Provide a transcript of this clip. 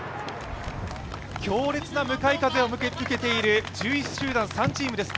強烈な向かい風を受けている１１位集団３チームです。